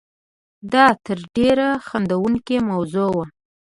دا تر ډېره خندوونکې موضوع وه.